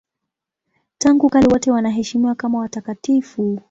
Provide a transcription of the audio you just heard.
Tangu kale wote wanaheshimiwa kama watakatifu.